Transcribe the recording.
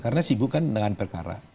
karena sibuk kan dengan perkara